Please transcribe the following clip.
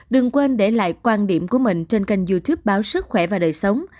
đừng quên để lại quan điểm của mình trên kênh youtube báo sức khỏe và đời sống